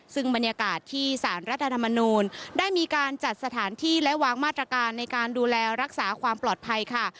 ซึ่งบรรยากาศที่สารรัฐธรรมนูลได้มีการจัดสถานที่และวางมาตรการในการดูแลรักษาความปลอดภัยค่ะ